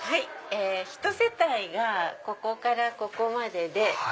ひと世帯がここからここまでで。